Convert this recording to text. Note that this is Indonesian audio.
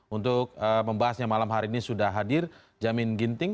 untuk membahasnya malam hari ini sudah hadir jamin ginting